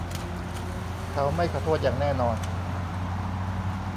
เขาไม่ขอโทษอย่างแน่นอน